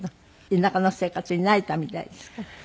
田舎の生活に慣れたみたいですか？